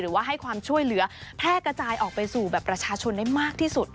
ว่าให้ความช่วยเหลือแพร่กระจายออกไปสู่แบบประชาชนได้มากที่สุด